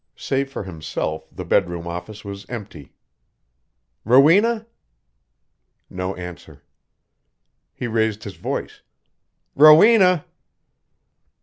Save for himself, the bedroom office was empty. "Rowena?" No answer. He raised his voice. "Rowena!"